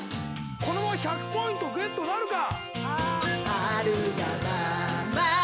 このまま１００ポイントゲットなるか？